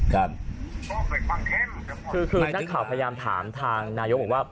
อกรุ๊ปคือคือนางข่าวพยายามถามทางนายโยคว่า